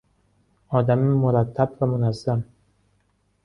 آدم مرتب و منظم